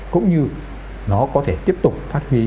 cũng như nó có thể tiếp tục phát huy